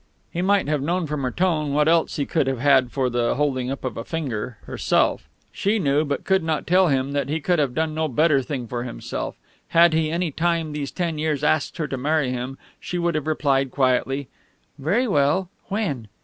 He might have known from her tone what else he could have had for the holding up of a finger herself. She knew, but could not tell him, that he could have done no better thing for himself. Had he, any time these ten years, asked her to marry him, she would have replied quietly, "Very well; when?"